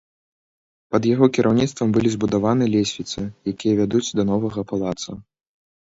Пад яго кіраўніцтвам былі збудаваны лесвіцы, якія вядуць да новага палаца.